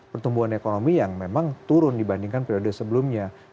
pertumbuhan ekonomi yang memang turun dibandingkan periode sebelumnya